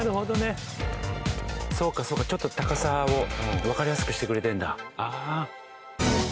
そうかそうかちょっと高さをわかりやすくしてくれてるんだ。